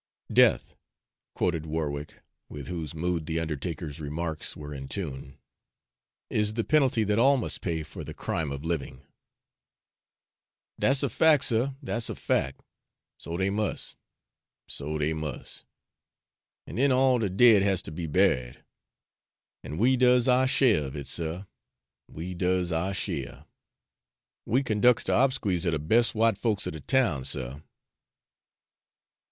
"'Death,'" quoted Warwick, with whose mood the undertaker's remarks were in tune, "'is the penalty that all must pay for the crime of living.'" "Dat 's a fac', suh, dat 's a fac'; so dey mus' so dey mus'. An' den all de dead has ter be buried. An' we does ou' sheer of it, suh, we does ou' sheer. We conduc's de obs'quies er all de bes' w'ite folks er de town, suh."